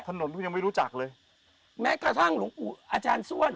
ถนนคุณยังไม่รู้จักเลยแม้กระทั่งหลวงปู่อาจารย์ส้วน